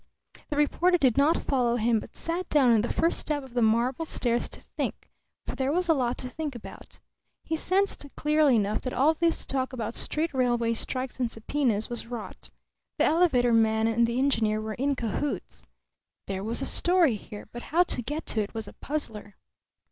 The reporter did not follow him but sat down on the first step of the marble stairs to think, for there was a lot to think about. He sensed clearly enough that all this talk about street railway strikes and subpoenas was rot. The elevator man and the engineer were in cahoots. There was a story here, but how to get to it was a puzzler.